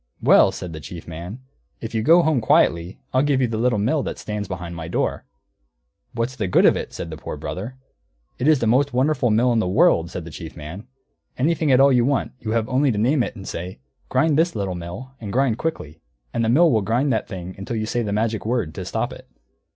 "Well," said the Chief Man, "if you'll go home quietly I'll give you the Little Mill that stands behind my door." "What's the good of it?" said the Poor Brother. "It is the most wonderful mill in the world," said the Chief Man. "Anything at all that you want, you have only to name it, and say, 'Grind this, Little Mill, and grind quickly,' and the Mill will grind that thing until you say the magic word, to stop it."